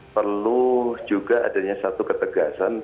perlu juga adanya satu ketegasan